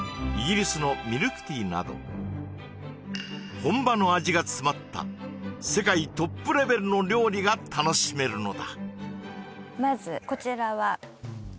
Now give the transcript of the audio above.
イギリスのミルクティーなど本場の味が詰まった世界トップレベルの料理が楽しめるのだ